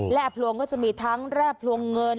พลวงก็จะมีทั้งแร่พลวงเงิน